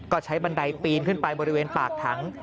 ก็ใช้บันไดปีนขึ้นไปบริเวณปากถัง